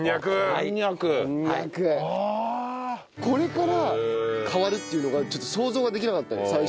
これから変わるっていうのがちょっと想像ができなかったよね